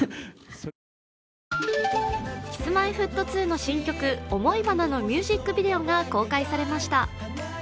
Ｋｉｓ−Ｍｙ−Ｆｔ２の新曲「想花」のミュージックビデオが公開されました。